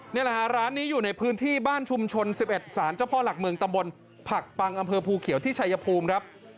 นี่แหละฮะร้านนี้อยู่ในพื้นที่บ้านชุมชน๑๑ศาลเจ้าพ่อหลักเมืองตำบลผักปังอำเภอภูเขียวที่ชายภูมิครับ